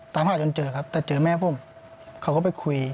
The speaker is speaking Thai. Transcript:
ตามที่ตามหาแม่พุ่มก่อน